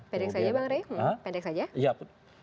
pedek saja bang rey pedek saja